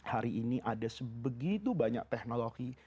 hari ini ada sebegitu banyak teknologi